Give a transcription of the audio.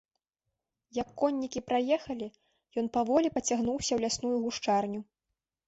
Як коннікі праехалі, ён паволі пацягнуўся ў лясную гушчарню.